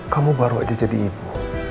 kamu baru aja jadi ibu